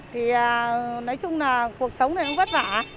thì nói chung là cuộc sống thì cũng vất vả